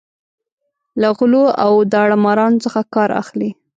له غلو او داړه مارانو څخه کار اخلي.